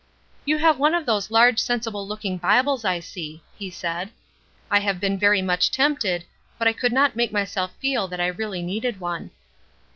"You have one of those large, sensible looking Bibles, I see," he said. "I have been very much tempted, but I could not make myself feel that I really needed one."